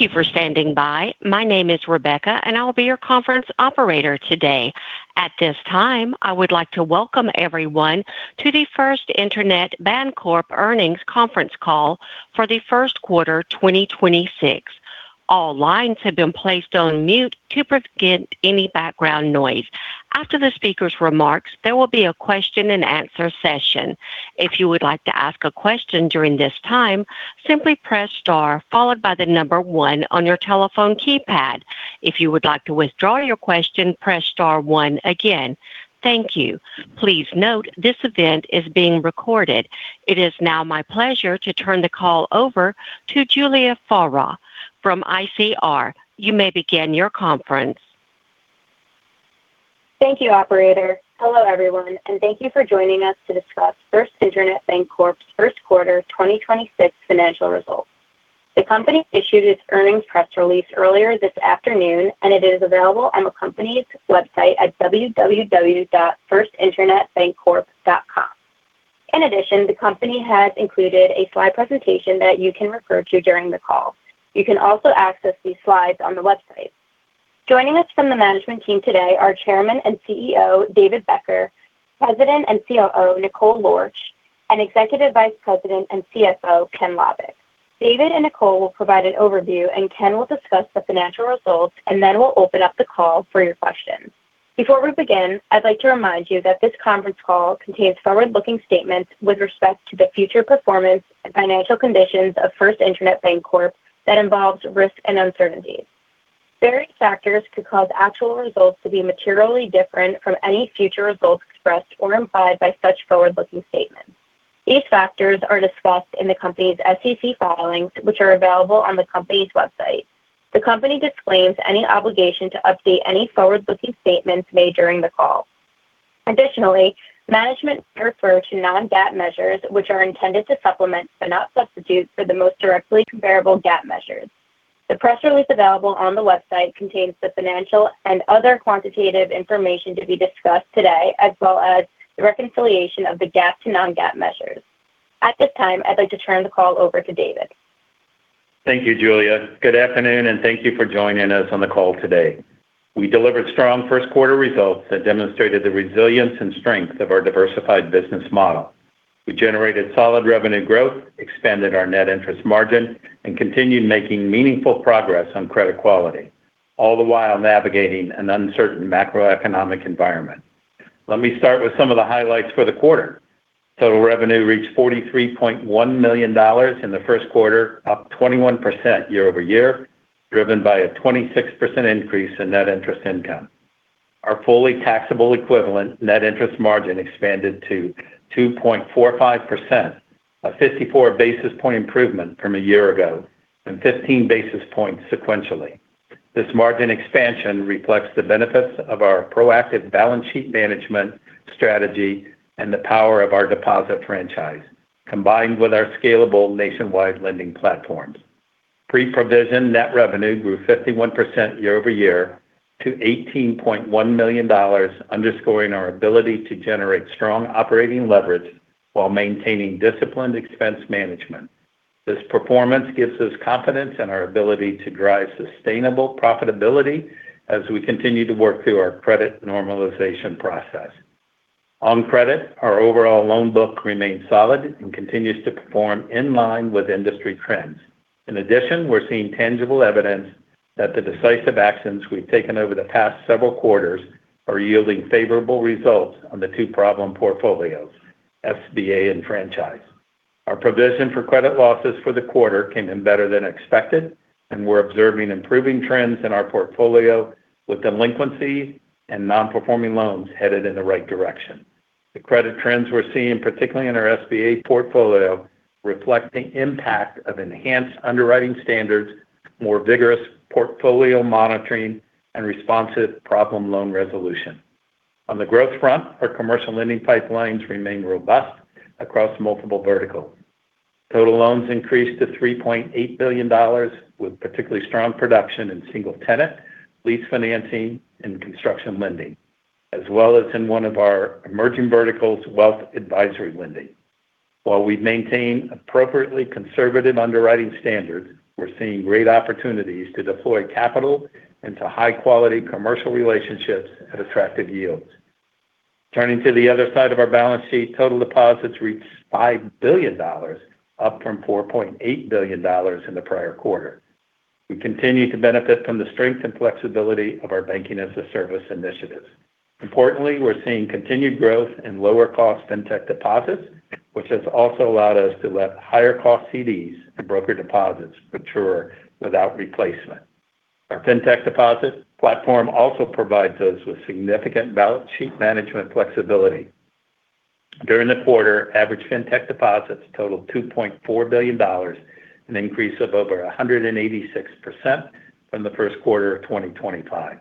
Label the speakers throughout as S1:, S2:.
S1: Thank you for standing by. My name is Rebecca, and I will be your conference operator today. At this time, I would like to welcome everyone to the First Internet Bancorp Earnings Conference Call for the First Quarter 2026. All lines have been placed on mute to prevent any background noise. After the speaker's remarks, there will be a question and answer session. If you would like to ask a question during this time, simply press star followed by the number one on your telephone keypad. If you would like to withdraw your question, press star one again. Thank you. Please note this event is being recorded. It is now my pleasure to turn the call over to Julia Farra from ICR. You may begin your conference.
S2: Thank you, operator. Hello, everyone, and thank you for joining us to discuss First Internet Bancorp's First Quarter 2026 Financial Results. The company issued its earnings press release earlier this afternoon, and it is available on the company's website at www.firstinternetbancorp.com. In addition, the company has included a slide presentation that you can refer to during the call. You can also access these slides on the website. Joining us from the management team today are Chairman and CEO, David Becker, President and COO, Nicole Lorch, and Executive Vice President and CFO, Kenneth Lovik. David and Nicole will provide an overview, and Ken will discuss the financial results, and then we'll open up the call for your questions. Before we begin, I'd like to remind you that this conference call contains forward-looking statements with respect to the future performance and financial conditions of First Internet Bancorp that involves risks and uncertainties. Various factors could cause actual results to be materially different from any future results expressed or implied by such forward-looking statements. These factors are discussed in the company's SEC filings, which are available on the company's website. The company disclaims any obligation to update any forward-looking statements made during the call. Additionally, management may refer to non-GAAP measures, which are intended to supplement but not substitute for the most directly comparable GAAP measures. The press release available on the website contains the financial and other quantitative information to be discussed today, as well as the reconciliation of the GAAP to non-GAAP measures. At this time, I'd like to turn the call over to David.
S3: Thank you, Julia. Good afternoon, thank you for joining us on the call today. We delivered strong first quarter results that demonstrated the resilience and strength of our diversified business model. We generated solid revenue growth, expanded our net interest margin, continued making meaningful progress on credit quality, all the while navigating an uncertain macroeconomic environment. Let me start with some of the highlights for the quarter. Total revenue reached $43.1 million in the first quarter, up 21% year-over-year, driven by a 26% increase in net interest income. Our Fully Taxable Equivalent net interest margin expanded to 2.45%, a 54 basis point improvement from a year ago and 15 basis points sequentially. This margin expansion reflects the benefits of our proactive balance sheet management strategy and the power of our deposit franchise, combined with our scalable nationwide lending platforms. Pre-provision net revenue grew 51% year-over-year to $18.1 million, underscoring our ability to generate strong operating leverage while maintaining disciplined expense management. This performance gives us confidence in our ability to drive sustainable profitability as we continue to work through our credit normalization process. On credit, our overall loan book remains solid and continues to perform in line with industry trends. In addition, we're seeing tangible evidence that the decisive actions we've taken over the past several quarters are yielding favorable results on the two problem portfolios, SBA and franchise. Our provision for credit losses for the quarter came in better than expected, and we're observing improving trends in our portfolio with delinquency and non-performing loans headed in the right direction. The credit trends we're seeing, particularly in our SBA portfolio, reflect the impact of enhanced underwriting standards, more vigorous portfolio monitoring, and responsive problem loan resolution. On the growth front, our commercial lending pipelines remain robust across multiple verticals. Total loans increased to $3.8 billion, with particularly strong production in single tenant lease financing and construction lending, as well as in one of our emerging verticals, wealth advisory lending. While we maintain appropriately conservative underwriting standards, we're seeing great opportunities to deploy capital into high-quality commercial relationships at attractive yields. Turning to the other side of our balance sheet, total deposits reached $5 billion, up from $4.8 billion in the prior quarter. We continue to benefit from the strength and flexibility of our Banking-as-a-Service initiatives. Importantly, we're seeing continued growth in lower cost fintech deposits, which has also allowed us to let higher cost CDs and broker deposits mature without replacement. Our fintech deposit platform also provides us with significant balance sheet management flexibility. During the quarter, average fintech deposits totaled $2.4 billion, an increase of over 186% from the first quarter of 2025.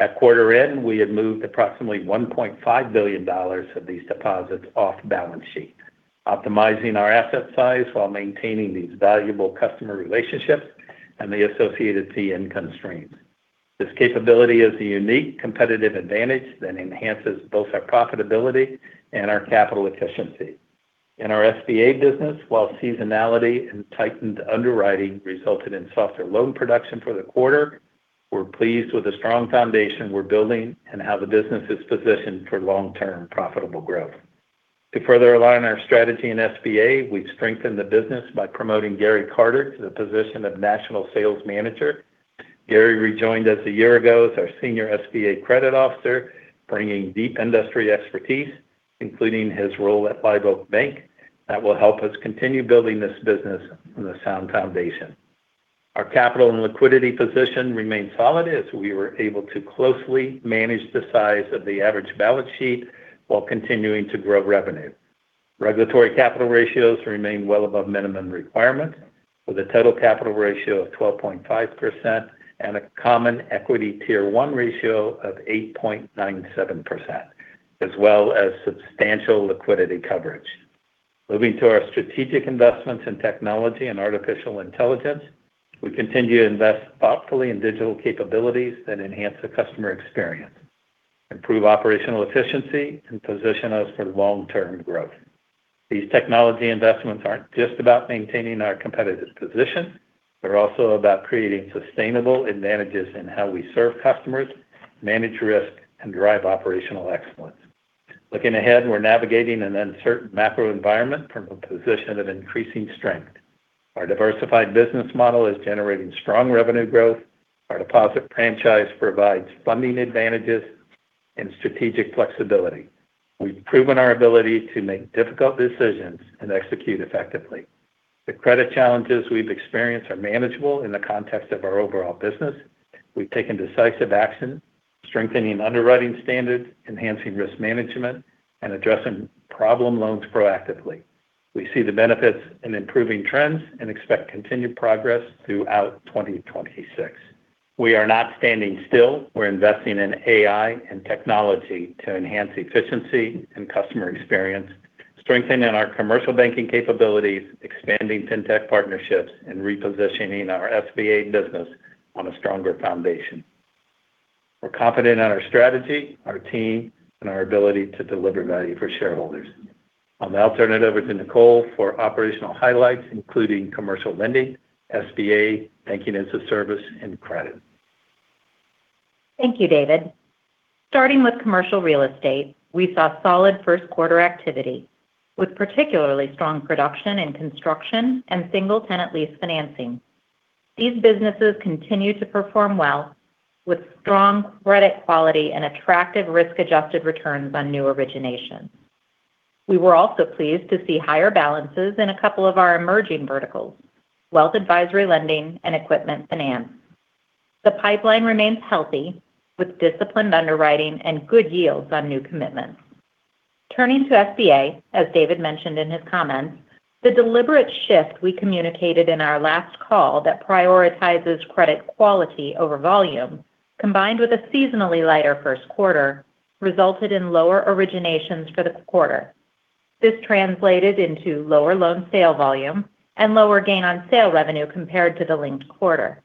S3: At quarter end, we had moved approximately $1.5 billion of these deposits off balance sheet, optimizing our asset size while maintaining these valuable customer relationships and the associated fee income streams. This capability is a unique competitive advantage that enhances both our profitability and our capital efficiency. In our SBA business, while seasonality and tightened underwriting resulted in softer loan production for the quarter, we're pleased with the strong foundation we're building and how the business is positioned for long-term profitable growth. To further align our strategy in SBA, we've strengthened the business by promoting Gary Carter to the position of National Sales Manager. Gary rejoined us one year ago as our Senior SBA Credit Officer, bringing deep industry expertise, including his role at Live Oak Bank that will help us continue building this business on a sound foundation. Our capital and liquidity position remained solid as we were able to closely manage the size of the average balance sheet while continuing to grow revenue. Regulatory capital ratios remain well above minimum requirement with a total capital ratio of 12.5% and a Common Equity Tier 1 ratio of 8.97%, as well as substantial liquidity coverage. Moving to our strategic investments in technology and artificial intelligence, we continue to invest thoughtfully in digital capabilities that enhance the customer experience, improve operational efficiency and position us for long-term growth. These technology investments aren't just about maintaining our competitive position, they're also about creating sustainable advantages in how we serve customers, manage risk and drive operational excellence. Looking ahead, we're navigating an uncertain macro environment from a position of increasing strength. Our diversified business model is generating strong revenue growth. Our deposit franchise provides funding advantages and strategic flexibility. We've proven our ability to make difficult decisions and execute effectively. The credit challenges we've experienced are manageable in the context of our overall business. We've taken decisive action, strengthening underwriting standards, enhancing risk management and addressing problem loans proactively. We see the benefits in improving trends and expect continued progress throughout 2026. We are not standing still. We're investing in AI and technology to enhance efficiency and customer experience, strengthening our commercial banking capabilities, expanding fintech partnerships and repositioning our SBA business on a stronger foundation. We're confident in our strategy, our team and our ability to deliver value for shareholders. I'll now turn it over to Nicole for operational highlights, including commercial lending, SBA, Banking-as-a-Service and credit.
S4: Thank you, David. Starting with commercial real estate, we saw solid first quarter activity with particularly strong production in construction and single tenant lease financing. These businesses continue to perform well with strong credit quality and attractive risk-adjusted returns on new originations. We were also pleased to see higher balances in a couple of our emerging verticals, wealth advisory lending and equipment finance. The pipeline remains healthy with disciplined underwriting and good yields on new commitments. Turning to SBA, as David mentioned in his comments, the deliberate shift we communicated in our last call that prioritizes credit quality over volume, combined with a seasonally lighter first quarter, resulted in lower originations for the quarter. This translated into lower loan sale volume and lower gain on sale revenue compared to the linked quarter.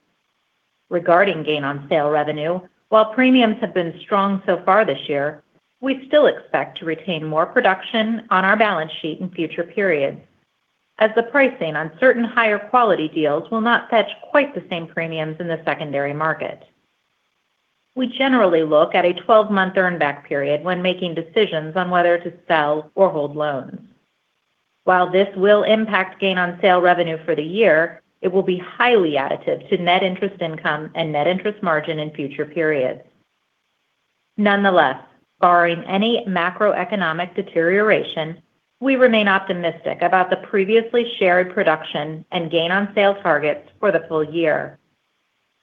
S4: Regarding gain on sale revenue, while premiums have been strong so far this year, we still expect to retain more production on our balance sheet in future periods as the pricing on certain higher quality deals will not fetch quite the same premiums in the secondary market. We generally look at a 12-month earn back period when making decisions on whether to sell or hold loans. While this will impact gain on sale revenue for the year, it will be highly additive to net interest income and net interest margin in future periods. Nonetheless, barring any macroeconomic deterioration, we remain optimistic about the previously shared production and gain on sale targets for the full year.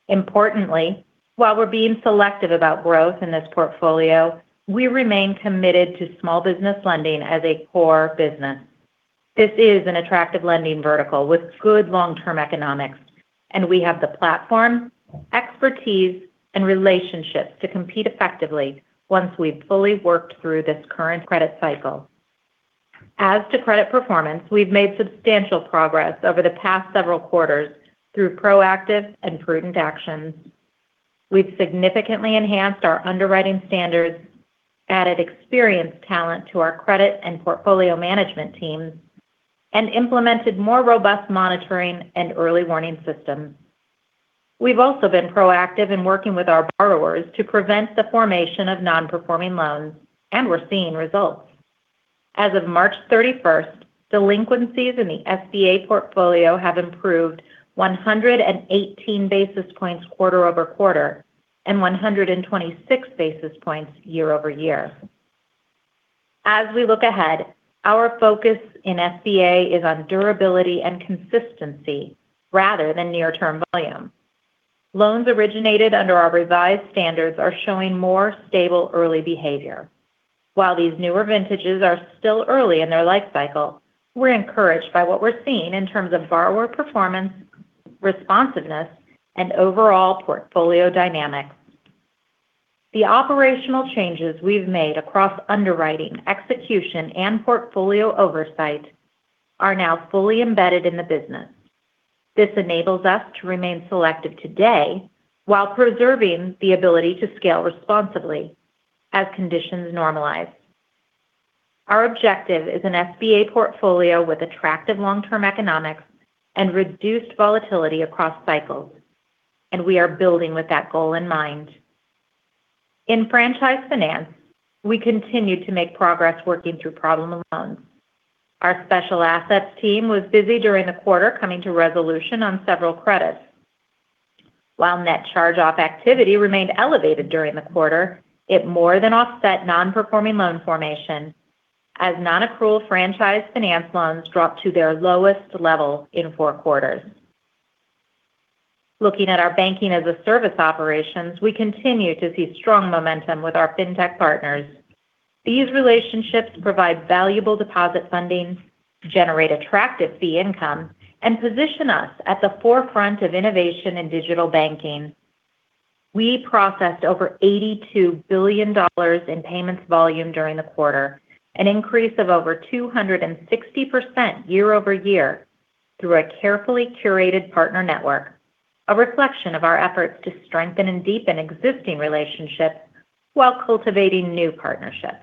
S4: Importantly, while we're being selective about growth in this portfolio, we remain committed to small business lending as a core business. This is an attractive lending vertical with good long-term economics, and we have the platform, expertise and relationships to compete effectively once we've fully worked through this current credit cycle. As to credit performance, we've made substantial progress over the past several quarters through proactive and prudent actions. We've significantly enhanced our underwriting standards, added experienced talent to our credit and portfolio management teams and implemented more robust monitoring and early warning systems. We've also been proactive in working with our borrowers to prevent the formation of non-performing loans, and we're seeing results. As of March 31st, delinquencies in the SBA portfolio have improved 118 basis points quarter-over-quarter and 126 basis points year-over-year. As we look ahead, our focus in SBA is on durability and consistency rather than near-term volume. Loans originated under our revised standards are showing more stable early behavior. While these newer vintages are still early in their life cycle, we're encouraged by what we're seeing in terms of borrower performance, responsiveness and overall portfolio dynamics. The operational changes we've made across underwriting, execution and portfolio oversight are now fully embedded in the business. This enables us to remain selective today while preserving the ability to scale responsibly as conditions normalize. Our objective is an SBA portfolio with attractive long-term economics and reduced volatility across cycles, and we are building with that goal in mind. In franchise finance, we continue to make progress working through problem loans. Our special assets team was busy during the quarter coming to resolution on several credits. While net charge-off activity remained elevated during the quarter, it more than offset non-performing loan formation as non-accrual franchise finance loans dropped to their lowest level in 4 quarters. Looking at our Banking-as-a-Service operations, we continue to see strong momentum with our fintech partners. These relationships provide valuable deposit funding, generate attractive fee income, and position us at the forefront of innovation in digital banking. We processed over $82 billion in payments volume during the quarter, an increase of over 260% year-over-year through a carefully curated partner network, a reflection of our efforts to strengthen and deepen existing relationships while cultivating new partnerships.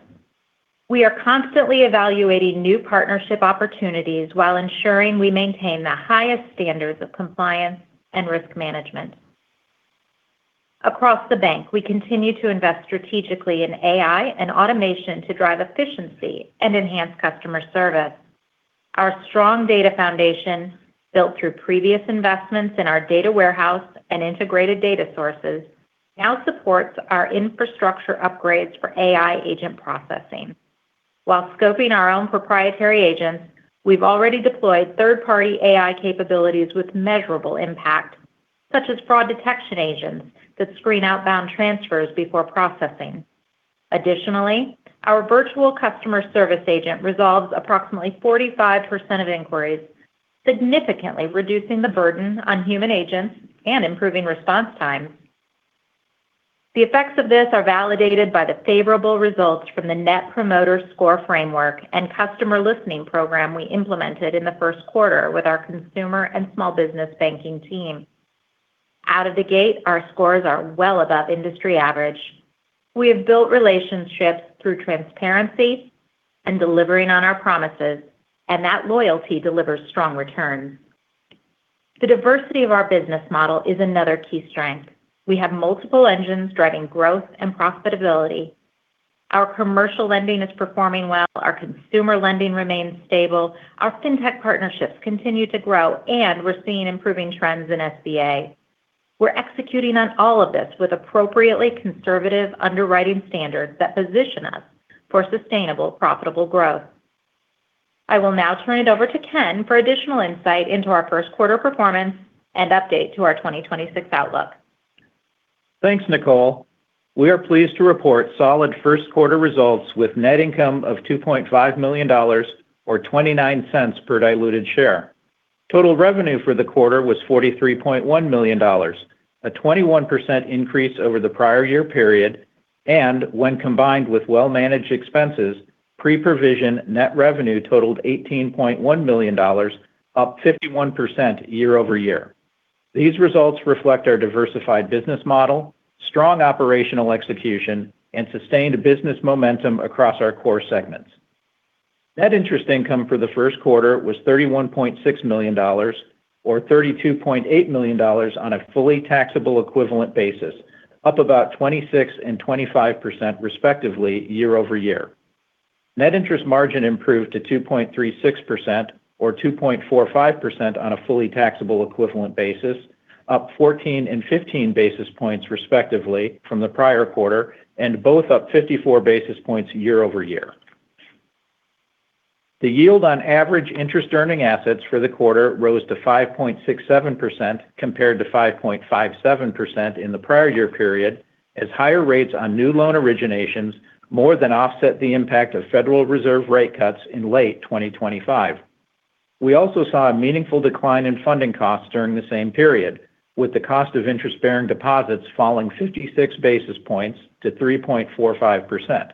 S4: We are constantly evaluating new partnership opportunities while ensuring we maintain the highest standards of compliance and risk management. Across the bank, we continue to invest strategically in AI and automation to drive efficiency and enhance customer service. Our strong data foundation, built through previous investments in our data warehouse and integrated data sources, now supports our infrastructure upgrades for AI agent processing. While scoping our own proprietary agents, we've already deployed third-party AI capabilities with measurable impact, such as fraud detection agents that screen outbound transfers before processing. Additionally, our virtual customer service agent resolves approximately 45% of inquiries, significantly reducing the burden on human agents and improving response times. The effects of this are validated by the favorable results from the Net Promoter Score framework and customer listening program we implemented in the first quarter with our consumer and small business banking team. Out of the gate, our scores are well above industry average. We have built relationships through transparency and delivering on our promises, and that loyalty delivers strong returns. The diversity of our business model is another key strength. We have multiple engines driving growth and profitability. Our commercial lending is performing well, our consumer lending remains stable, our fintech partnerships continue to grow, and we're seeing improving trends in SBA. We're executing on all of this with appropriately conservative underwriting standards that position us for sustainable, profitable growth. I will now turn it over to Ken for additional insight into our first quarter performance and update to our 2026 outlook.
S5: Thanks, Nicole. We are pleased to report solid first quarter results with net income of $2.5 million or $0.29 per diluted share. Total revenue for the quarter was $43.1 million, a 21% increase over the prior year period, and when combined with well-managed expenses, pre-provision net revenue totaled $18.1 million, up 51% year-over-year. These results reflect our diversified business model, strong operational execution, and sustained business momentum across our core segments. Net interest income for the first quarter was $31.6 million or $32.8 million on a fully taxable equivalent basis, up about 26% and 25% respectively year-over-year. Net interest margin improved to 2.36% or 2.45% on a fully taxable equivalent basis, up 14 and 15 basis points respectively from the prior quarter, and both up 54 basis points year-over-year. The yield on average interest earning assets for the quarter rose to 5.67% compared to 5.57% in the prior year period as higher rates on new loan originations more than offset the impact of Federal Reserve rate cuts in late 2025. We also saw a meaningful decline in funding costs during the same period, with the cost of interest-bearing deposits falling 56 basis points to 3.45%.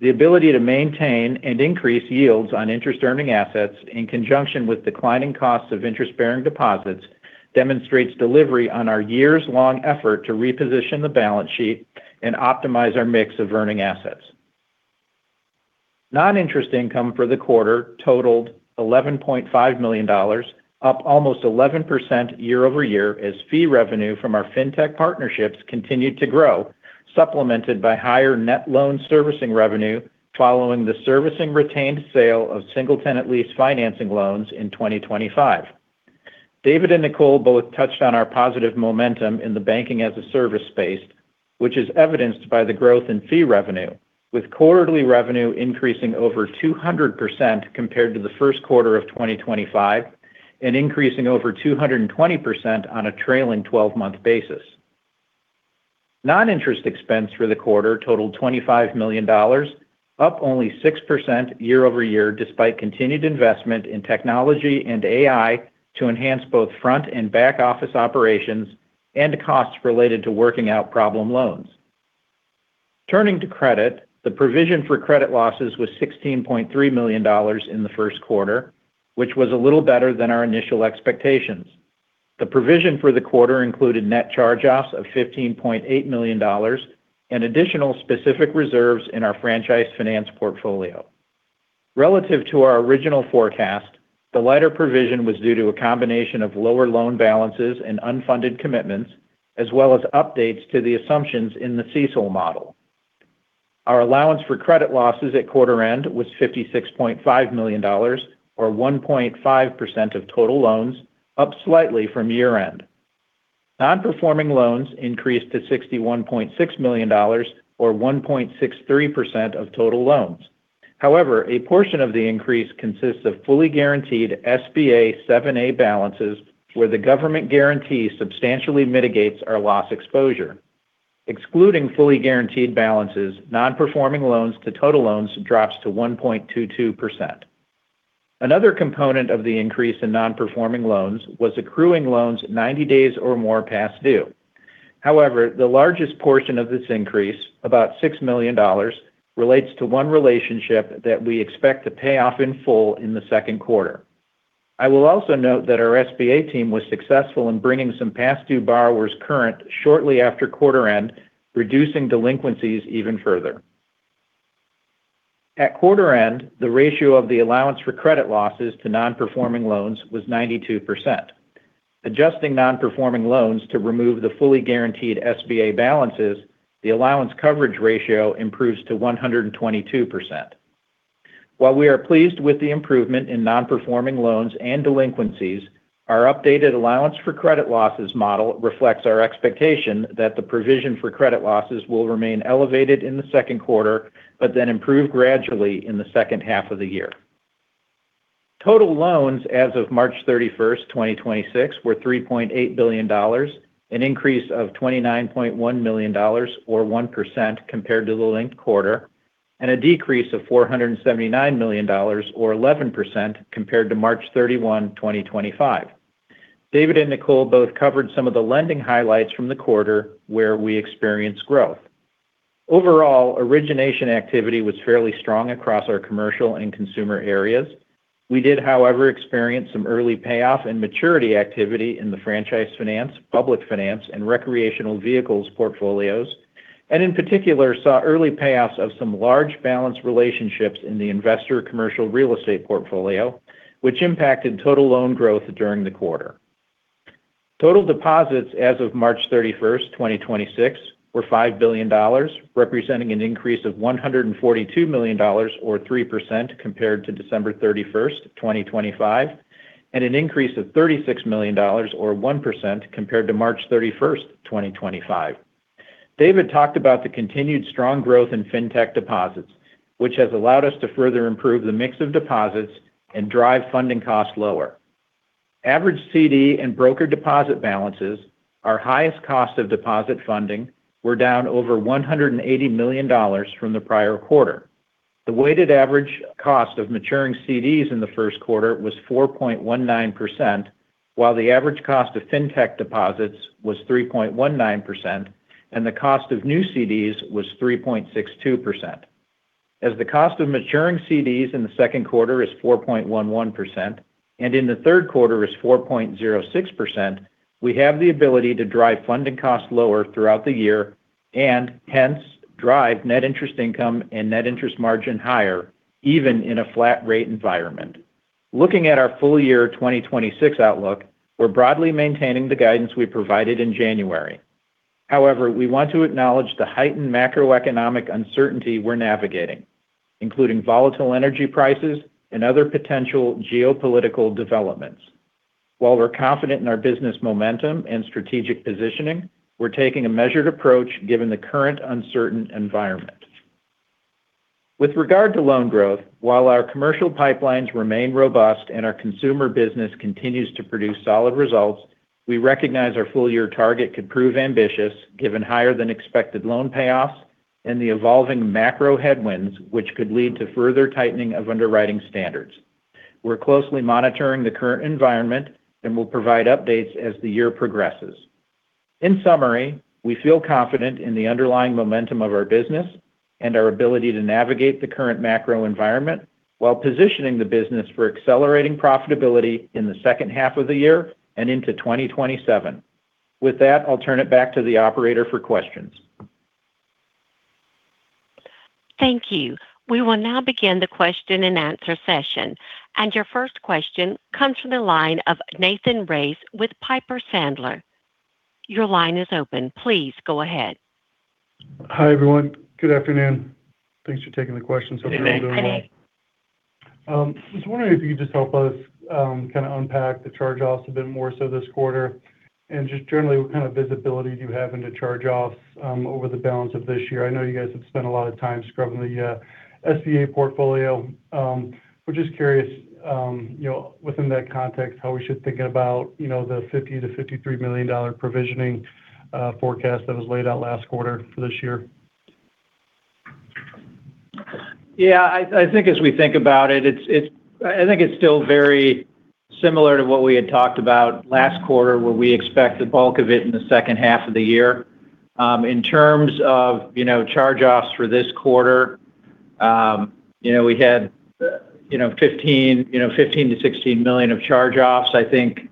S5: The ability to maintain and increase yields on interest earning assets in conjunction with declining costs of interest-bearing deposits demonstrates delivery on our years-long effort to reposition the balance sheet and optimize our mix of earning assets. Non-interest income for the quarter totaled $11.5 million, up almost 11% year-over-year as fee revenue from our fintech partnerships continued to grow, supplemented by higher net loan servicing revenue following the servicing retained sale of single-tenant lease financing loans in 2025. David and Nicole both touched on our positive momentum in the Banking-as-a-Service space, which is evidenced by the growth in fee revenue, with quarterly revenue increasing over 200% compared to the first quarter of 2025 and increasing over 220% on a trailing 12-month basis. Non-interest expense for the quarter totaled $25 million, up only 6% year-over-year despite continued investment in technology and AI to enhance both front and back-office operations and costs related to working out problem loans. Turning to credit, the provision for credit losses was $16.3 million in the first quarter, which was a little better than our initial expectations. The provision for the quarter included net charge-offs of $15.8 million and additional specific reserves in our franchise finance portfolio. Relative to our original forecast, the lighter provision was due to a combination of lower loan balances and unfunded commitments, as well as updates to the assumptions in the CECL model. Our allowance for credit losses at quarter-end was $56.5 million, or 1.5% of total loans, up slightly from year-end. Non-performing loans increased to $61.6 million or 1.63% of total loans. However, a portion of the increase consists of fully guaranteed SBA 7(a) balances where the government guarantee substantially mitigates our loss exposure. Excluding fully guaranteed balances, non-performing loans to total loans drops to 1.22%. Another component of the increase in non-performing loans was accruing loans 90 days or more past due. However, the largest portion of this increase, about $6 million, relates to one relationship that we expect to pay off in full in the second quarter. I will also note that our SBA team was successful in bringing some past due borrowers current shortly after quarter end, reducing delinquencies even further. At quarter end, the ratio of the allowance for credit losses to non-performing loans was 92%. Adjusting non-performing loans to remove the fully guaranteed SBA balances, the allowance coverage ratio improves to 122%. While we are pleased with the improvement in non-performing loans and delinquencies, our updated allowance for credit losses model reflects our expectation that the provision for credit losses will remain elevated in the second quarter, but then improve gradually in the second half of the year. Total loans as of March 31, 2026 were $3.8 billion, an increase of $29.1 million or 1% compared to the linked quarter, and a decrease of $479 million or 11% compared to March 31, 2025. David and Nicole both covered some of the lending highlights from the quarter where we experienced growth. Overall, origination activity was fairly strong across our commercial and consumer areas. We did, however, experience some early payoff and maturity activity in the franchise finance, public finance, and recreational vehicles portfolios, and in particular saw early payoffs of some large balance relationships in the investor commercial real estate portfolio, which impacted total loan growth during the quarter. Total deposits as of March 31st, 2026 were $5 billion, representing an increase of $142 million or 3% compared to December 31st, 2025, and an increase of $36 million or 1% compared to March 31st, 2025. David talked about the continued strong growth in fintech deposits, which has allowed us to further improve the mix of deposits and drive funding costs lower. Average CD and broker deposit balances, our highest cost of deposit funding, were down over $180 million from the prior quarter. The weighted average cost of maturing CDs in the first quarter was 4.19%, while the average cost of fintech deposits was 3.19%, and the cost of new CDs was 3.62%. As the cost of maturing CDs in the second quarter is 4.11% and in the third quarter is 4.06%, we have the ability to drive funding costs lower throughout the year and hence drive net interest income and net interest margin higher even in a flat rate environment. Looking at our full year 2026 outlook, we're broadly maintaining the guidance we provided in January. However, we want to acknowledge the heightened macroeconomic uncertainty we're navigating, including volatile energy prices and other potential geopolitical developments. While we're confident in our business momentum and strategic positioning, we're taking a measured approach given the current uncertain environment. With regard to loan growth, while our commercial pipelines remain robust and our consumer business continues to produce solid results, we recognize our full year target could prove ambitious given higher than expected loan payoffs and the evolving macro headwinds which could lead to further tightening of underwriting standards. We're closely monitoring the current environment and will provide updates as the year progresses. In summary, we feel confident in the underlying momentum of our business and our ability to navigate the current macro environment while positioning the business for accelerating profitability in the second half of the year and into 2027. With that, I'll turn it back to the operator for questions.
S1: Thank you. We will now begin the question and answer session. Your first question comes from the line of Nathan Race with Piper Sandler. Your line is open. Please go ahead.
S6: Hi, everyone. Good afternoon. Thanks for taking the questions.
S5: Good afternoon.
S6: Hi. I was wondering if you could just help us kind of unpack the charge-offs a bit more so this quarter and just generally what kind of visibility do you have into charge-offs over the balance of this year? I know you guys have spent a lot of time scrubbing the SBA portfolio. We're just curious, you know, within that context, how we should think about, you know, the $50 million-$53 million provisioning forecast that was laid out last quarter for this year.
S5: Yeah, I think as we think about it, I think it's still very similar to what we had talked about last quarter, where we expect the bulk of it in the second half of the year. In terms of, you know, charge-offs for this quarter, you know, we had, you know, $15 million-$16 million of charge-offs. I think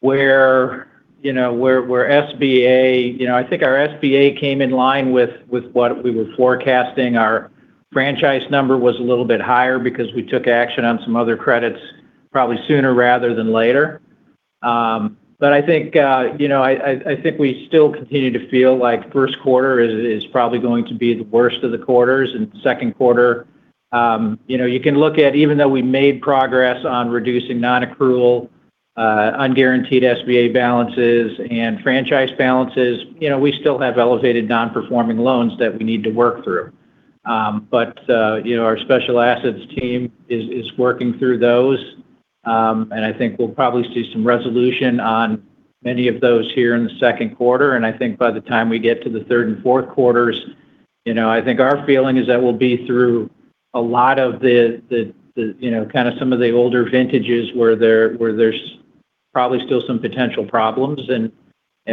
S5: where, you know, where SBA, you know, I think our SBA came in line with what we were forecasting. Our franchise number was a little bit higher because we took action on some other credits probably sooner rather than later. I think, you know, I think we still continue to feel like first quarter is probably going to be the worst of the quarters. Second quarter, you know, you can look at even though we made progress on reducing non-accrual, unguaranteed SBA balances and franchise balances, you know, we still have elevated non-performing loans that we need to work through. But, you know, our special assets team is working through those. I think we'll probably see some resolution on many of those here in the second quarter. I think by the time we get to the third and fourth quarters, you know, I think our feeling is that we'll be through a lot of the, you know, kind of some of the older vintages where there, where there's probably still some potential problems.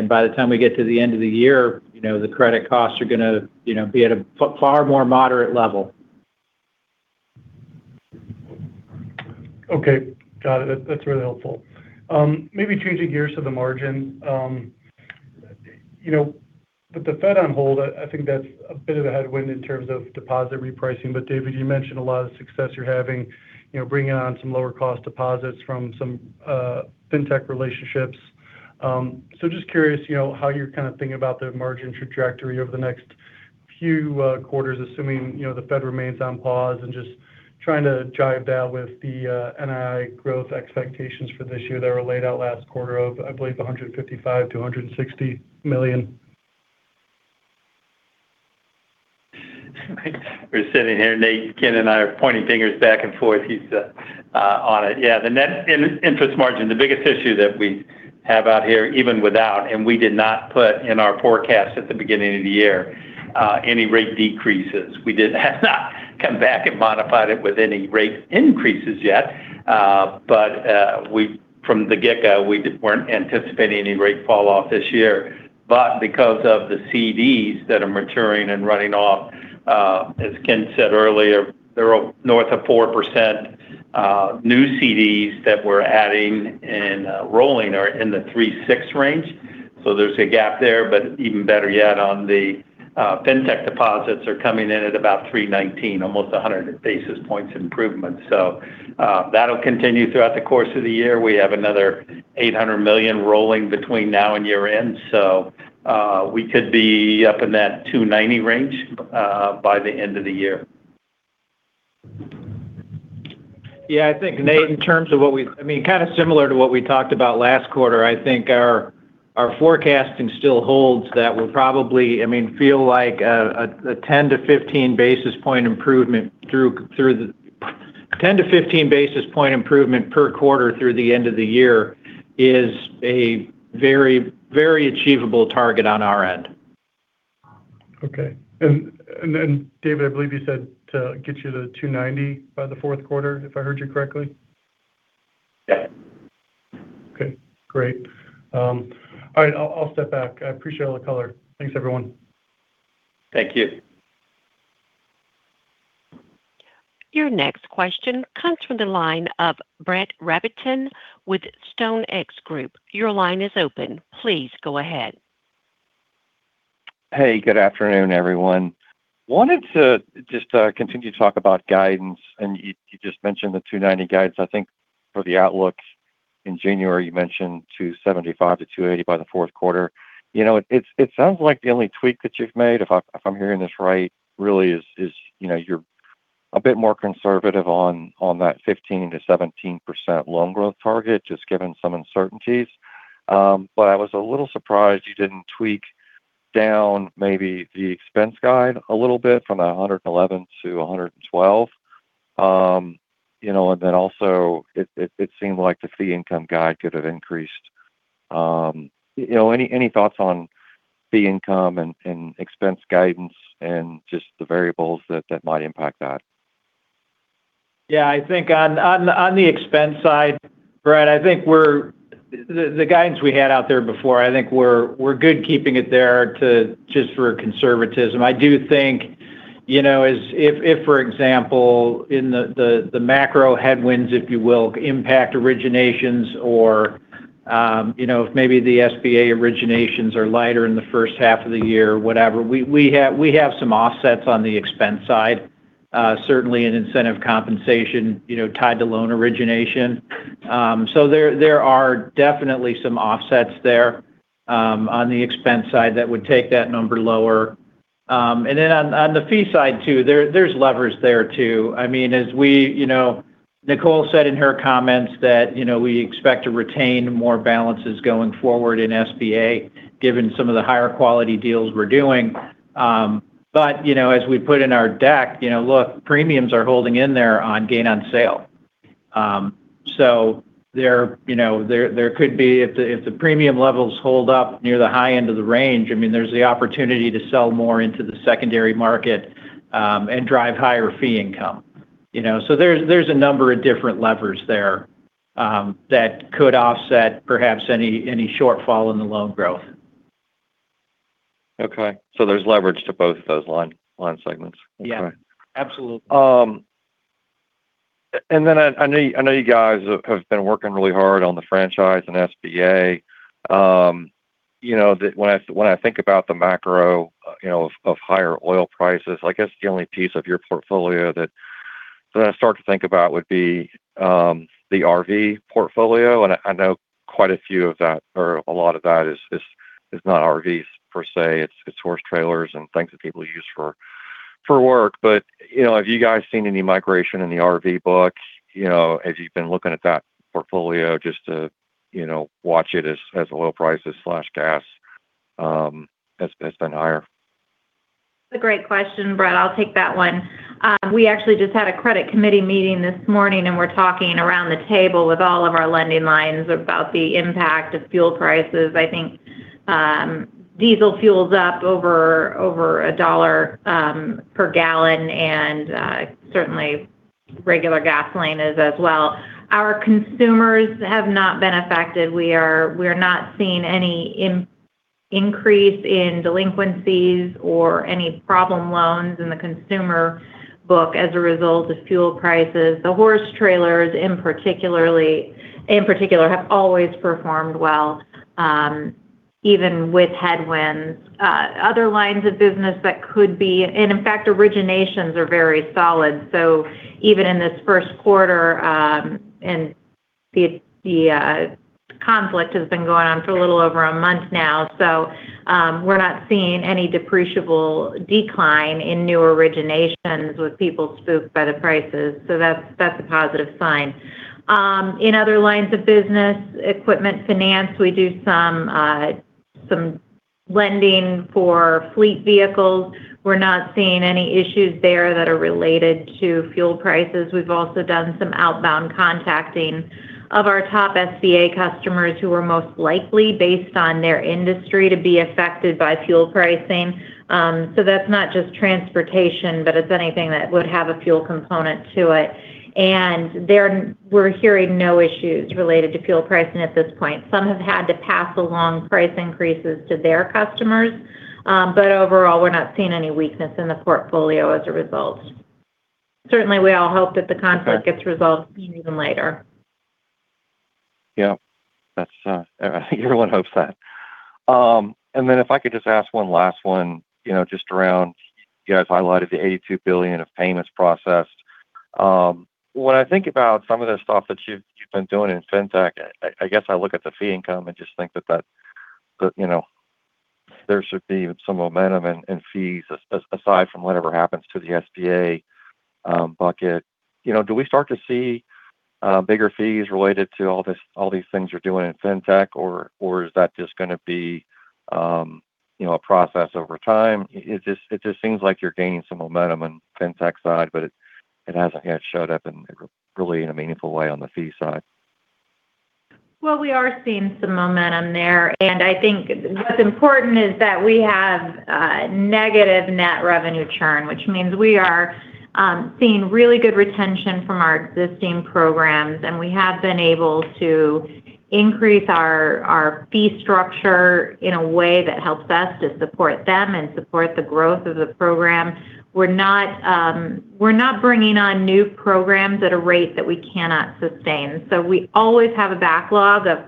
S5: By the time we get to the end of the year, you know, the credit costs are gonna, you know, be at a far more moderate level.
S6: Okay. Got it. That's really helpful. Maybe changing gears to the margin. You know, with the Fed on hold, I think that's a bit of a headwind in terms of deposit repricing. David, you mentioned a lot of success you're having, you know, bringing on some lower cost deposits from some fintech relationships. Just curious, you know, how you're kind of thinking about the margin trajectory over the next few quarters, assuming, you know, the Fed remains on pause and just trying to jive that with the NII growth expectations for this year that were laid out last quarter of, I believe, $155 million-$160 million.
S3: We're sitting here, Nate. Ken and I are pointing fingers back and forth. He's on it. Yeah, the net interest margin, the biggest issue that we have out here, even without, and we did not put in our forecast at the beginning of the year, any rate decreases. We did not come back and modified it with any rate increases yet. From the get-go, we weren't anticipating any rate fall off this year. Because of the CDs that are maturing and running off, as Ken said earlier, they're north of 4%. New CDs that we're adding and rolling are in the 3%-6% range. There's a gap there. Even better yet, on the fintech deposits are coming in at about 3.19%, almost a 100 basis points improvement.
S5: That'll continue throughout the course of the year. We have another $800 million rolling between now and year-end, we could be up in that $290 range by the end of the year. I think, Nate, in terms of what we kind of similar to what we talked about last quarter, I think our forecasting still holds that we'll probably feel like a 10 to 15 basis point improvement per quarter through the end of the year is a very, very achievable target on our end.
S6: Okay. David, I believe you said to get you to 2.90 by the fourth quarter, if I heard you correctly.
S3: Yeah.
S6: Okay, great. All right, I'll step back. I appreciate all the color. Thanks, everyone.
S5: Thank you.
S1: Your next question comes from the line of Brett Rabatin with Hovde Group. Your line is open. Please go ahead.
S7: Hey, good afternoon, everyone. Wanted to just continue to talk about guidance, and you just mentioned the $290 guidance. I think for the outlook in January, you mentioned $275-$280 by the 4th quarter. You know, it sounds like the only tweak that you've made, if I'm hearing this right, really is, you know, you're a bit more conservative on that 15%-17% loan growth target, just given some uncertainties. I was a little surprised you didn't tweak down maybe the expense guide a little bit from $111-$112. You know, also it seemed like the fee income guide could have increased. You know, any thoughts on fee income and expense guidance and just the variables that might impact that?
S5: Yeah, I think on the expense side, Brett, I think the guidance we had out there before, I think we're good keeping it there to just for conservatism. I do think, you know, If for example, in the macro headwinds, if you will, impact originations or, you know, if maybe the SBA originations are lighter in the first half of the year, whatever, we have some offsets on the expense side, certainly in incentive compensation, you know, tied to loan origination. There are definitely some offsets there on the expense side that would take that number lower. Then on the fee side too, there's levers there too. I mean, as we, you know, Nicole said in her comments that, you know, we expect to retain more balances going forward in SBA, given some of the higher quality deals we're doing. You know, as we put in our deck, you know, look, premiums are holding in there on gain on sale. There, you know, there could be if the premium levels hold up near the high end of the range, I mean, there's the opportunity to sell more into the secondary market and drive higher fee income, you know? There's a number of different levers there that could offset perhaps any shortfall in the loan growth.
S7: Okay. There's leverage to both of those line segments.
S5: Yeah.
S7: Okay.
S5: Absolutely.
S7: I know you guys have been working really hard on the franchise and SBA. You know, when I think about the macro, you know, of higher oil prices, I guess the only piece of your portfolio that I start to think about would be the RV portfolio. I know quite a few of that or a lot of that is not RVs per se. It's horse trailers and things that people use for work. You know, have you guys seen any migration in the RV books? You know, as you've been looking at that portfolio just to, you know, watch it as oil prices/gas has been higher.
S4: That's a great question, Brett. I'll take that one. We actually just had a credit committee meeting this morning, and we're talking around the table with all of our lending lines about the impact of fuel prices. I think, diesel fuel's up over $1 per gallon and certainly regular gasoline is as well. Our consumers have not been affected. We're not seeing any increase in delinquencies or any problem loans in the consumer book as a result of fuel prices. The horse trailers in particular have always performed well, even with headwinds. Other lines of business and in fact, originations are very solid. Even in this first quarter, and the conflict has been going on for a little over a month now, we're not seeing any appreciable decline in new originations with people spooked by the prices. That's a positive sign. In other lines of business, equipment finance, we do some lending for fleet vehicles. We're not seeing any issues there that are related to fuel prices. We've also done some outbound contacting of our top SBA customers who are most likely based on their industry to be affected by fuel pricing. That's not just transportation, but it's anything that would have a fuel component to it. We're hearing no issues related to fuel pricing at this point. Some have had to pass along price increases to their customers, but overall, we're not seeing any weakness in the portfolio as a result. Certainly, we all hope that the conflict gets resolved even later.
S7: Yeah. That's everyone hopes that. Then if I could just ask one last one, you know, just around, you guys highlighted the $82 billion of payments processed. When I think about some of the stuff that you've been doing in fintech, I guess I look at the fee income and just think that, you know, there should be some momentum in fees aside from whatever happens to the SBA bucket. You know, do we start to see bigger fees related to all these things you're doing in fintech? Or is that just gonna be, you know, a process over time? It just seems like you're gaining some momentum in fintech side, but it hasn't yet showed up really in a meaningful way on the fee side.
S4: We are seeing some momentum there. I think what's important is that we have negative net revenue churn, which means we are seeing really good retention from our existing programs. We have been able to increase our fee structure in a way that helps us to support them and support the growth of the program. We're not bringing on new programs at a rate that we cannot sustain. We always have a backlog of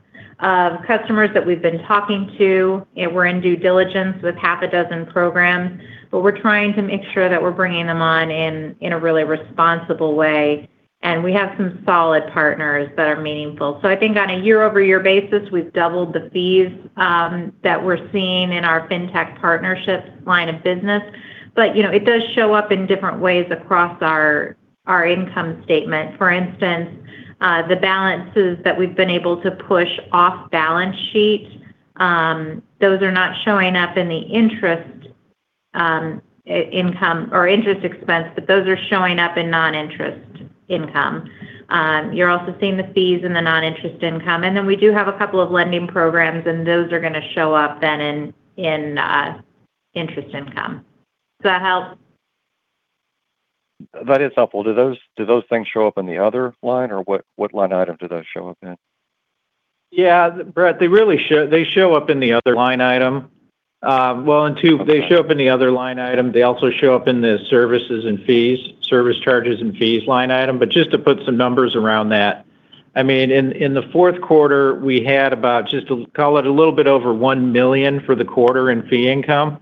S4: customers that we've been talking to. We're in due diligence with half a dozen programs. We're trying to make sure that we're bringing them on in a really responsible way. We have some solid partners that are meaningful. I think on a year-over-year basis, we've doubled the fees that we're seeing in our fintech partnership line of business. You know, it does show up in different ways across our income statement. For instance, the balances that we've been able to push off balance sheet, those are not showing up in the interest income or interest expense, but those are showing up in non-interest income. You're also seeing the fees in the non-interest income. We do have a couple of lending programs, and those are gonna show up then in interest income. Does that help?
S7: That is helpful. Do those things show up in the other line, or what line item do those show up in?
S5: Yeah, Brett, they really show up in the other line item.
S7: Okay
S5: They show up in the other line item. They also show up in the services and fees, service charges and fees line item. Just to put some numbers around that, I mean, in the fourth quarter, we had about just call it a little bit over $1 million for the quarter in fee income.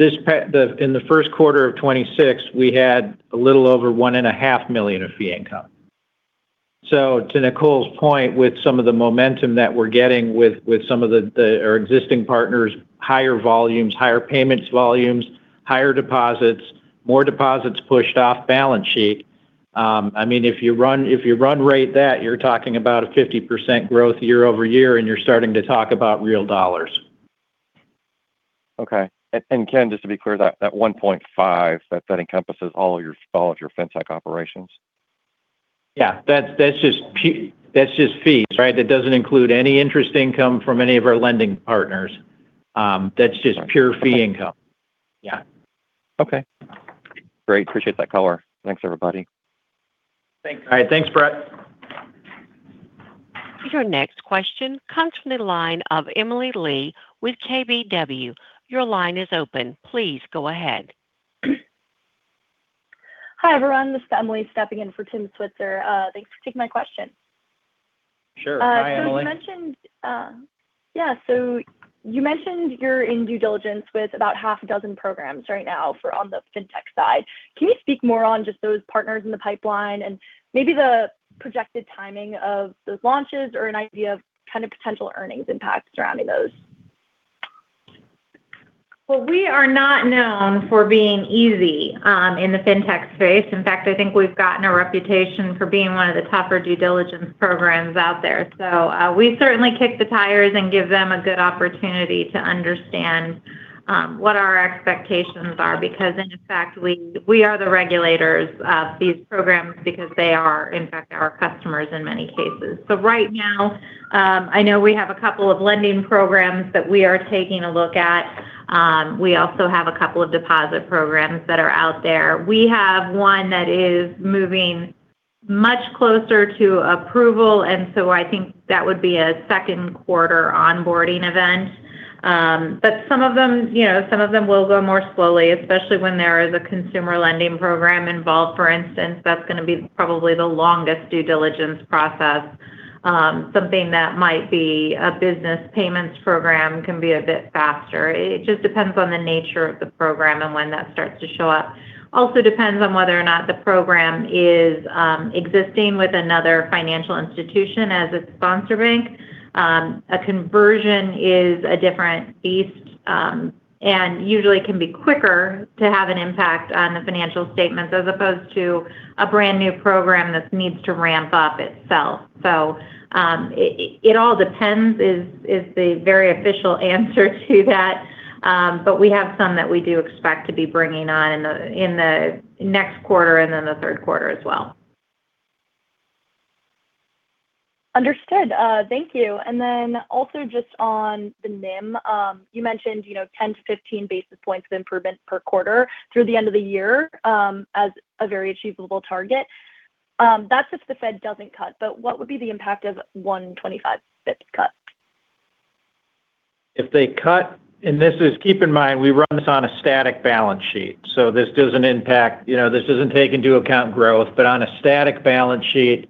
S5: In the first quarter of 2026, we had a little over $1.5 million of fee income. To Nicole's point, with some of the momentum that we're getting with some of our existing partners, higher volumes, higher payments volumes, higher deposits, more deposits pushed off balance sheet, I mean, if you run rate that, you're talking about a 50% growth year over year, and you're starting to talk about real dollars.
S7: Okay. Ken, just to be clear, that 1.5, that encompasses all of your fintech operations?
S5: Yeah. That's just fees, right? That doesn't include any interest income from any of our lending partners.
S7: Right
S5: pure fee income. Yeah.
S7: Okay. Great. Appreciate that color. Thanks everybody.
S5: Thanks.
S4: All right. Thanks, Brett.
S1: Your next question comes from the line of Emily Lee with KBW. Your line is open. Please go ahead.
S8: Hi everyone, this is Emily stepping in for Tim Switzer. Thanks for taking my question.
S5: Sure.
S8: Uh, so you-
S5: Hi, Emily....
S8: mentioned, you mentioned you're in due diligence with about half a dozen programs right now for on the fintech side. Can you speak more on just those partners in the pipeline and maybe the projected timing of those launches, or an idea of kind of potential earnings impact surrounding those?
S4: We are not known for being easy in the fintech space. In fact, I think we've gotten a reputation for being one of the tougher due diligence programs out there. We certainly kick the tires and give them a good opportunity to understand what our expectations are because, in fact, we are the regulators of these programs because they are, in fact, our customers in many cases. Right now, I know we have a couple of lending programs that we are taking a look at. We also have a couple of deposit programs that are out there. We have one that is moving much closer to approval. I think that would be a second quarter onboarding event. Some of them, you know, some of them will go more slowly, especially when there is a consumer lending program involved, for instance. That's gonna be probably the longest due diligence process. Something that might be a business payments program can be a bit faster. It just depends on the nature of the program and when that starts to show up. Also depends on whether or not the program is existing with another financial institution as a sponsor bank. A conversion is a different beast, and usually can be quicker to have an impact on the financial statements as opposed to a brand new program that needs to ramp up itself. It, it all depends is the very official answer to that. We have some that we do expect to be bringing on in the next quarter and then the third quarter as well.
S8: Understood. Thank you. Also just on the NIM. You mentioned, you know, 10 to 15 basis points of improvement per quarter through the end of the year, as a very achievable target. That's if the Fed doesn't cut, what would be the impact of 125 basis points cut?
S5: This is, keep in mind, we run this on a static balance sheet, so this doesn't impact, you know, this doesn't take into account growth. On a static balance sheet,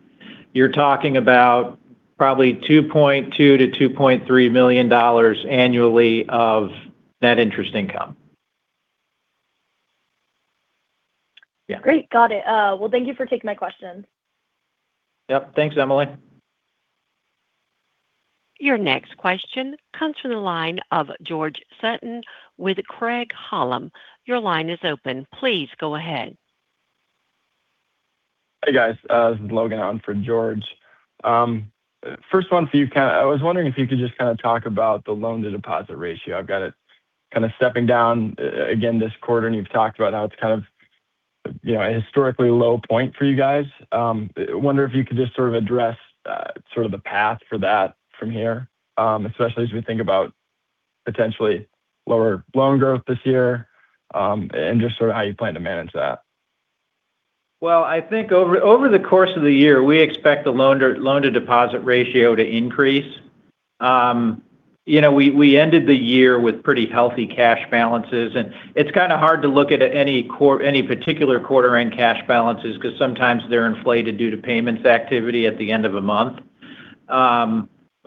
S5: you're talking about probably $2.2 million-$2.3 million annually of net interest income. Yeah.
S8: Great. Got it. Well, thank you for taking my questions.
S5: Yep. Thanks, Emily.
S1: Your next question comes from the line of George Sutton with Craig-Hallum. Your line is open. Please go ahead.
S9: Hey, guys. This is Logan on for George. First one for you, Ken. I was wondering if you could just kind of talk about the loan-to-deposit ratio. I've got it kind of stepping down again this quarter, and you've talked about how it's kind of, you know, a historically low point for you guys. Wonder if you could just sort of address sort of the path for that from here, especially as we think about potentially lower loan growth this year, and just sort of how you plan to manage that.
S5: Well, I think over the course of the year, we expect the loan-to-deposit ratio to increase. you know, we ended the year with pretty healthy cash balances, and it's kind of hard to look at it any particular quarter in cash balances 'cause sometimes they're inflated due to payments activity at the end of a month.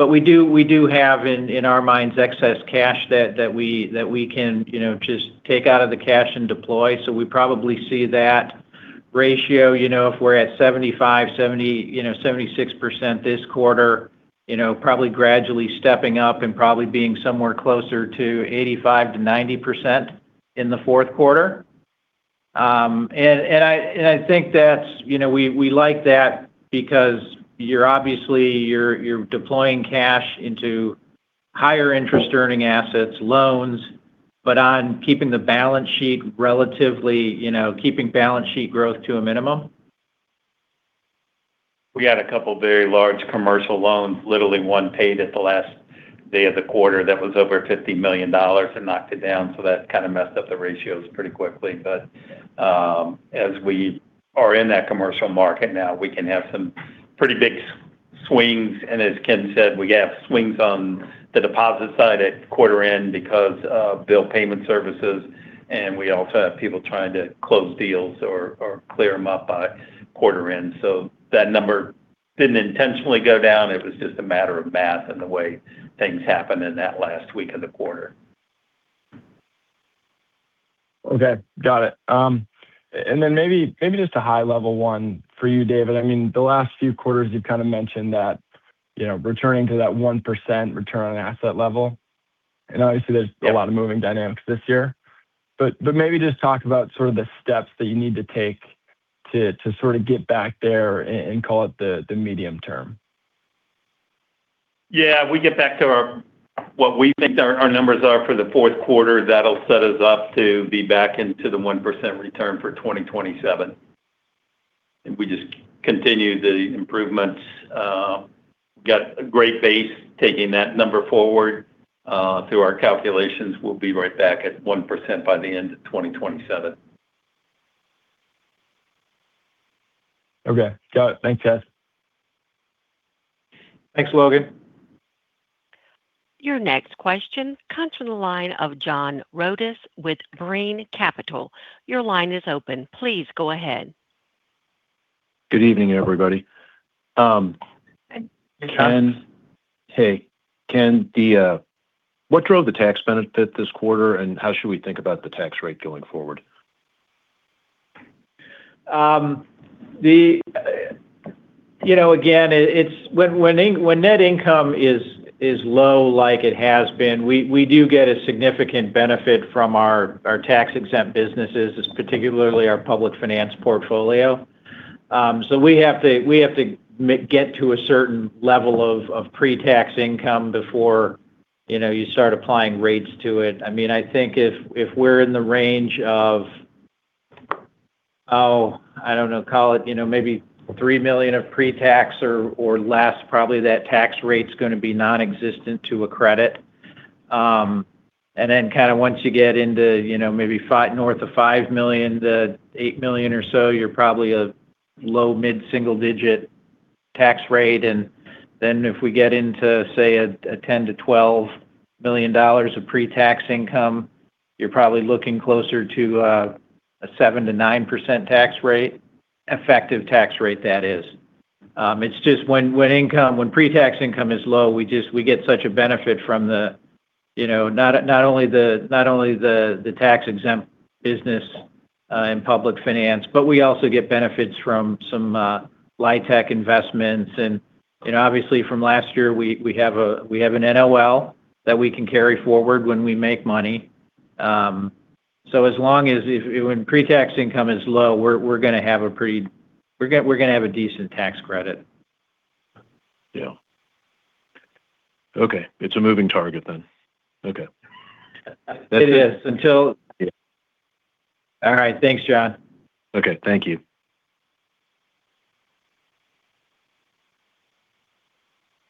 S5: we do have in our minds excess cash that we can, you know, just take out of the cash and deploy. we probably see that ratio, you know, if we're at 75, 70, you know, 76% this quarter, you know, probably gradually stepping up and probably being somewhere closer to 85%-90% in the fourth quarter. I think that's, you know, we like that because you're obviously, you're deploying cash into higher interest earning assets, loans, but on keeping the balance sheet relatively, you know, keeping balance sheet growth to a minimum.
S4: We had a couple of very large commercial loans. Literally one paid at the last day of the quarter that was over $50 million and knocked it down. That kind of messed up the ratios pretty quickly. As we are in that commercial market now, we can have some pretty big swings, and as Ken said, we have swings on the deposit side at quarter end because of bill payment services, and we also have people trying to close deals or clear them up by quarter end. That number didn't intentionally go down. It was just a matter of math and the way things happened in that last week of the quarter.
S9: Okay. Got it. Maybe just a high level one for you, David. I mean, the last few quarters you've kind of mentioned that, you know, returning to that 1% return on assets level, and obviously there's.
S4: Yeah
S9: a lot of moving dynamics this year. Maybe just talk about sort of the steps that you need to take to sort of get back there and call it the medium term.
S3: Yeah, we get back to our, what we think our numbers are for the fourth quarter, that'll set us up to be back into the 1% return for 2027. If we just continue the improvements, we've got a great base taking that number forward, through our calculations, we'll be right back at 1% by the end of 2027.
S9: Okay. Got it. Thanks, guys.
S5: Thanks, Logan.
S1: Your next question comes from the line of John Rhodus with Green Capital. Your line is open. Please go ahead.
S10: Good evening, everybody.
S5: Hey, John.
S10: Hey. What drove the tax benefit this quarter, and how should we think about the tax rate going forward?
S5: The, you know, again, it's, when net income is low like it has been, we do get a significant benefit from our tax-exempt businesses. It's particularly our public finance portfolio. We have to get to a certain level of pre-tax income before, you know, you start applying rates to it. I mean, I think if we're in the range of, oh, I don't know, call it, you know, maybe $3 million of pre-tax or less, probably that tax rate's gonna be nonexistent to a credit. Kind of once you get into, you know, maybe north of $5 million to $8 million or so, you're probably a low mid-single digit tax rate. Then if we get into, say, a $10 million-$12 million of pre-tax income, you're probably looking closer to a 7%-9% tax rate, effective tax rate that is. It's just when income, when pre-tax income is low, we get such a benefit from the, you know, not only the tax-exempt business and public finance, but we also get benefits from some LIHTC investments. You know, obviously from last year, we have an NOL that we can carry forward when we make money. As long as if when pre-tax income is low, we're gonna have a decent tax credit.
S10: Yeah. Okay. It's a moving target then. Okay.
S5: It is until-
S10: Yeah.
S5: All right. Thanks, John.
S10: Okay. Thank you.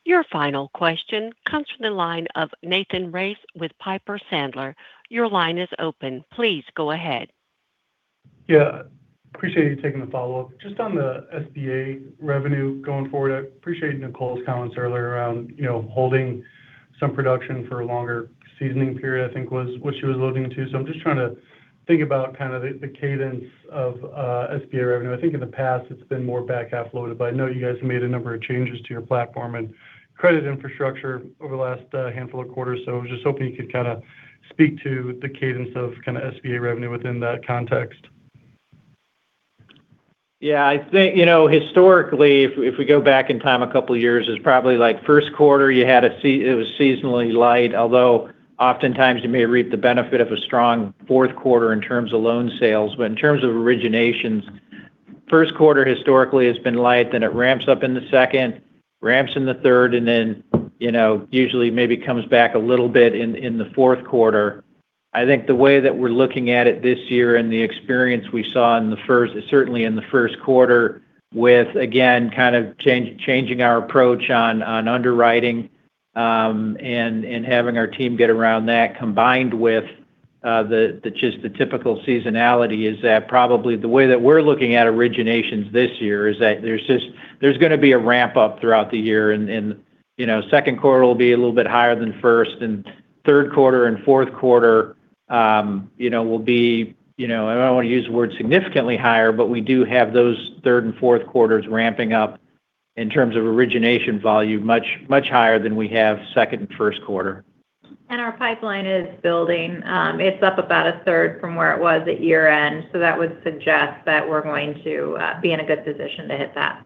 S1: Your final question comes from the line of Nathan Race with Piper Sandler. Your line is open. Please go ahead.
S6: Yeah. Appreciate you taking the follow-up. On the SBA revenue going forward, I appreciate Nicole's comments earlier around, you know, holding some production for a longer seasoning period, I think, was what she was alluding to. I'm just trying to think about kind of the cadence of SBA revenue. I think in the past it's been more back-half loaded, but I know you guys have made a number of changes to your platform and credit infrastructure over the last handful of quarters. I was just hoping you could kind of speak to the cadence of kind of SBA revenue within that context.
S5: Yeah. I think, you know, historically, if we go back in time 2 years, it's probably like first quarter you had it was seasonally light, although oftentimes you may reap the benefit of a strong fourth quarter in terms of loan sales. In terms of originations, first quarter historically has been light, then it ramps up in the second, ramps in the third, and then, you know, usually maybe comes back a little bit in the fourth quarter. I think the way that we're looking at it this year and the experience we saw in the first, certainly in the first quarter with, again, kind of changing our approach on underwriting, and having our team get around that combined with the just the typical seasonality is that probably the way that we're looking at originations this year is that there's gonna be a ramp-up throughout the year. You know, second quarter will be a little bit higher than first and third quarter and fourth quarter, you know, will be, you know, I don't want to use the word significantly higher, but we do have those third and fourth quarters ramping up in terms of origination volume much higher than we have second and first quarter.
S4: Our pipeline is building. It's up about a third from where it was at year-end. That would suggest that we're going to be in a good position to hit that.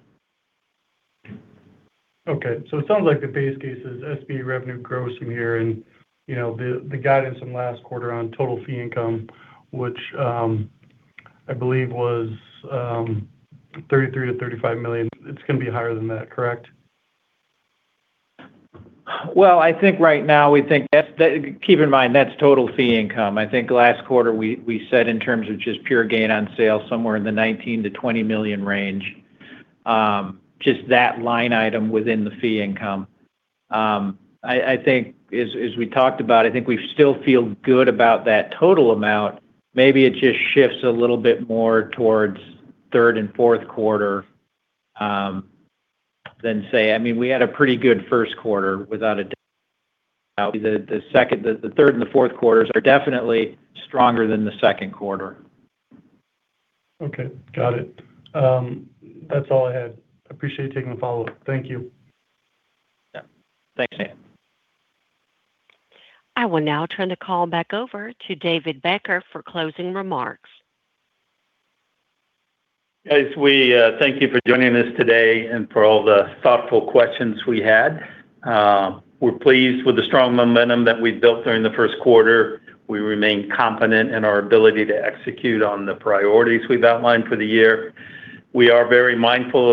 S6: Okay. It sounds like the base case is SBA revenue grows from here and, you know, the guidance from last quarter on total fee income, which, I believe was, $33 million-$35 million, it's gonna be higher than that, correct?
S5: Well, I think right now we think that's total fee income. I think last quarter we said in terms of just pure gain on sale somewhere in the $19 million to $20 million range, just that line item within the fee income. I think as we talked about, I think we still feel good about that total amount. Maybe it just shifts a little bit more towards third and fourth quarter than, I mean, we had a pretty good first quarter without a doubt. The second, the third and the fourth quarters are definitely stronger than the second quarter.
S6: Okay. Got it. That's all I had. Appreciate you taking the fo_
S5: Yeah. Thanks, Nathan.
S1: I will now turn the call back over to David Becker for closing remarks.
S3: Guys, we thank you for joining us today and for all the thoughtful questions we had. We're pleased with the strong momentum that we've built during the first quarter. We remain confident in our ability to execute on the priorities we've outlined for the year. We are very mindful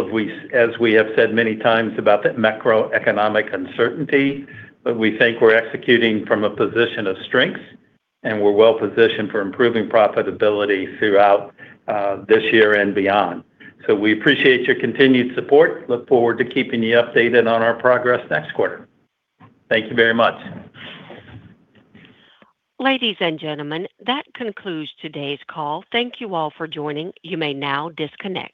S3: as we have said many times about the macroeconomic uncertainty, but we think we're executing from a position of strength, and we're well positioned for improving profitability throughout this year and beyond. We appreciate your continued support. Look forward to keeping you updated on our progress next quarter. Thank you very much.
S1: Ladies and gentlemen, that concludes today's call. Thank you all for joining. You may now disconnect.